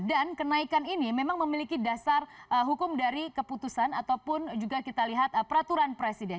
dan kenaikan ini memang memiliki dasar hukum dari keputusan ataupun juga kita lihat peraturan presiden